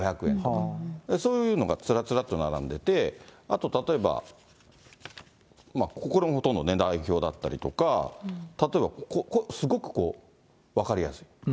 そういうのがつらつらっと並んでて、あと例えば、まあ、ほとんど値段表だったりとか、例えば、すごくこう分かりやすい。